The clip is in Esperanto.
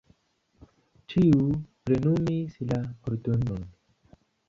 Ĉiuj plenumis la ordonon.